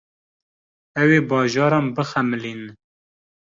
Ew ê bajaran bixemilînin.